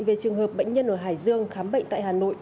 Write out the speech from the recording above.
về trường hợp bệnh nhân ở hải dương khám bệnh tại hà nội